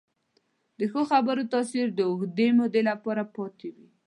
د ښو خبرو تاثیر د اوږدې مودې لپاره پاتې وي.